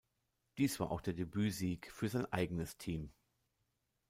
Dies war auch der Debüt-Sieg für sein eigenes Team.